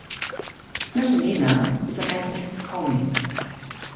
Smetanina is an ethnic Komi.